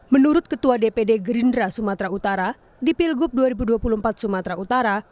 menurut ketua dpd gerindra sumatera utara di pilgub dua ribu dua puluh empat sumatera utara